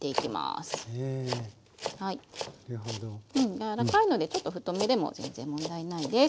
柔らかいのでちょっと太めでも全然問題ないです。